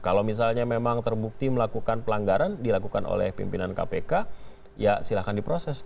kalau misalnya memang terbukti melakukan pelanggaran dilakukan oleh pimpinan kpk ya silahkan diproses